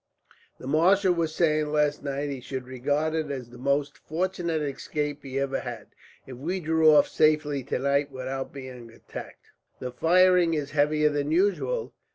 The marshal was saying, last night, he should regard it as the most fortunate escape he ever had, if we drew off safely tonight without being attacked. "That firing is heavier than usual.